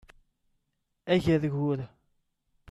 Agergur